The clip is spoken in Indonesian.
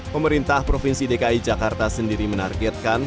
pemerintah provinsi dki jakarta sendiri menargetkan